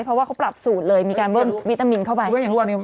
เพราะว่าเขาปรับสูตรเลยมีการเบิ้ลวิตามินเข้าไป